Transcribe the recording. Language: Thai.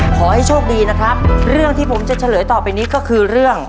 ขอให้โชคดีนะครับเรื่องที่ผมจะเฉลยต่อไปนี้ก็คือเรื่อง